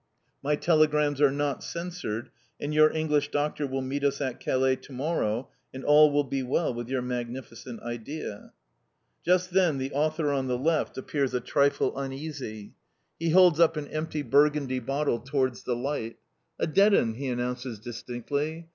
My telegrams are not censored, and your English Doctor will meet us at Calais to morrow, and all will be well with your magnificent idea!" Just then the author on the left appears a trifle uneasy. He holds up an empty Burgundy bottle towards the light. "A dead 'un!" he announces, distinctly.